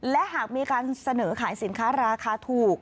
และหากมีการเสนอขายสินค้าราคาถูก